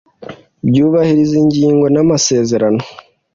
byubahiriza ingingo n amasezerano